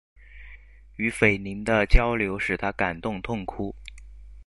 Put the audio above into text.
与斐琳的交流使他感动痛哭。